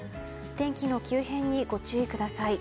天気の急変にご注意ください。